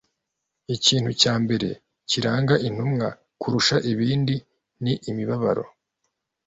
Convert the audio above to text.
ikintu cya mbere kiranga intumwa kurusha ibindi ni imibabaro